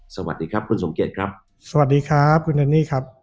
สวัสดีครับคุณสมเกียจครับสวัสดีครับคุณแอนนี่ครับ